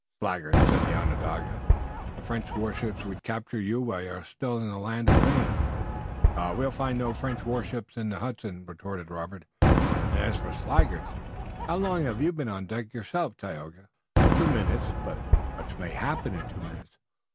"Sluggard," said the Onondaga. "The French warships would capture you while you are still in the land of dreams." "We'll find no French warships in the Hudson," retorted Robert, "and as for sluggards, how long have you been on deck yourself, Tayoga?" "Two minutes, but much may happen in two minutes.